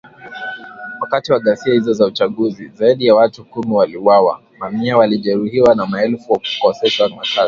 Wakati wa ghasia hizo za uchaguzi, zaidi ya watu kumi waliuawa, mamia walijeruhiwa na maelfu kukoseshwa makazi.